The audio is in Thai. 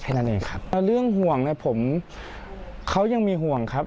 แค่นั้นเองครับเรื่องห่วงนะผมเขายังมีห่วงครับ